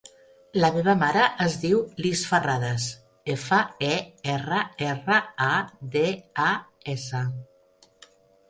La meva mare es diu Lis Ferradas: efa, e, erra, erra, a, de, a, essa.